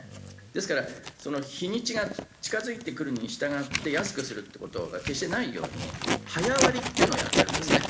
ですから日にちが近付いてくるにしたがって安くするって事が決してないように早割っていうのをやってるんですね。